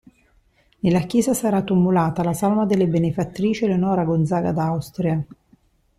Nella chiesa sarà tumulata la salma della benefattrice Eleonora Gonzaga d'Austria.